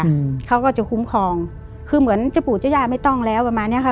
อืมเขาก็จะคุ้มครองคือเหมือนเจ้าปู่เจ้าย่าไม่ต้องแล้วประมาณเนี้ยค่ะ